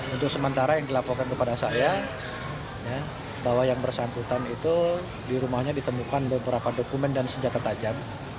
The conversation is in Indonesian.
untuk sementara yang dilaporkan kepada saya bahwa yang bersangkutan itu di rumahnya ditemukan beberapa dokumen dan senjata tajam